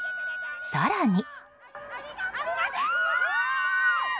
更に。